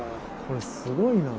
これすごいな。